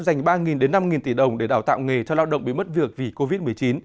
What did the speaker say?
dành ba đến năm tỷ đồng để đào tạo nghề cho lao động bị mất việc vì covid một mươi chín